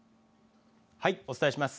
はい、お伝えします。